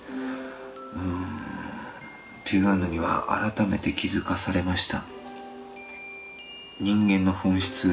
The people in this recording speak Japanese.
うんっていうのには改めて気付かされました。